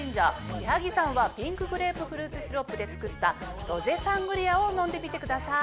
矢作さんはピンクグレープフルーツシロップで作ったロゼ・サングリアを飲んでみてください。